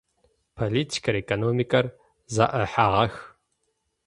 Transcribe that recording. Политикэр, экономикэр зэӏыхьагъэх.